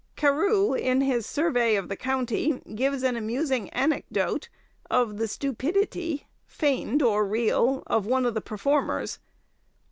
Carew, in his 'Survey of the County,' gives an amusing anecdote of the stupidity, feigned or real, of one of the performers.